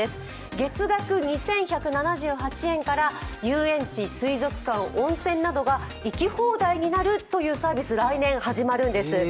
月額２１７８円から遊園地、水族館、温泉などが行き放題になるサービス、来年始まるんです。